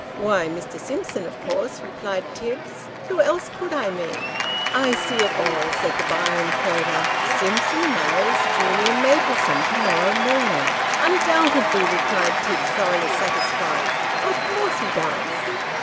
" Why Mr. Simpson, of course," replied Tibbs ;" who else could I mean ?" "I see it all," said the Byron quoter ; "Simpson marries Julia Maplesone to morrow morning !"" Undoubtedly," replied Tibbs, thoroughly satisfied, " of course he does."